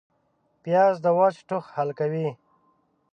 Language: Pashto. پیاز د وچ ټوخ حل کوي